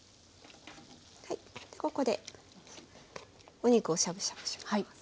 ここでお肉をしゃぶしゃぶします。